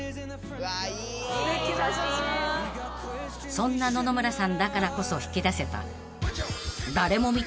［そんな野々村さんだからこそ引き出せた］